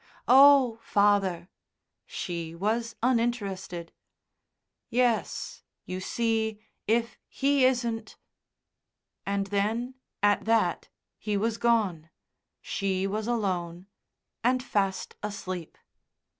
"Oh! Father " She was uninterested. "Yes. You see, if he isn't " and then, at that, he was gone, she was alone and fast asleep.